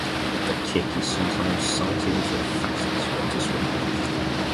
The kick is sometimes cited as the fastest way to swim.